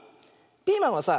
ピーマンはさ